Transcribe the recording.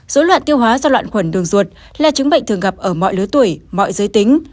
dối loạn tiêu hóa do loạn khuẩn đường ruột là chứng bệnh thường gặp ở mọi lứa tuổi mọi giới tính